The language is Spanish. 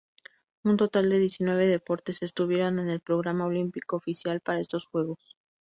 Un total de diecinueve deportes estuvieron en el programa olímpico oficial para estos Juegos.